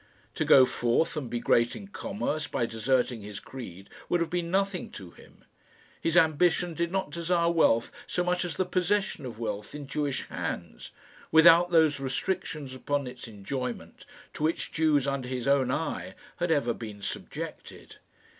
To go forth and be great in commerce by deserting his creed would have been nothing to him. His ambition did not desire wealth so much as the possession of wealth in Jewish hands, without those restrictions upon its enjoyment to which Jews under his own eye had ever been subjected.